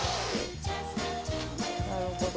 「なるほど」